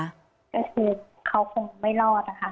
ก็คือเขาคงไม่รอดนะคะ